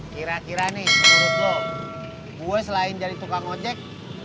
kira kira nih menurut gue selain jadi tukang ojek